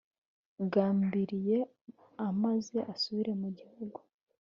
gambiriye a maze asubire mu gihugu